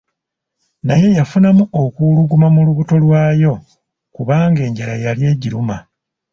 Naye yafunamu okuwuluguma mu lubuto lwayo kubanga enjala yali egiruma.